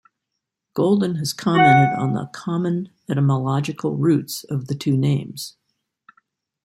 Golden has commented on the common etymological roots of the two names.